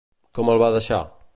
Com el va deixar?